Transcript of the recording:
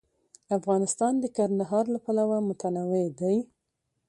افغانستان د کندهار له پلوه متنوع دی.